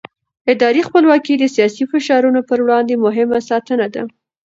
اداري خپلواکي د سیاسي فشارونو پر وړاندې مهمه ساتنه ده